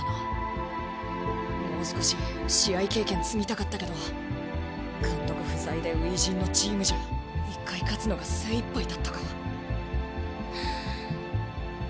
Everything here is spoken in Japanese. もう少し試合経験積みたかったけど監督不在で初陣のチームじゃ１回勝つのが精いっぱいだったか。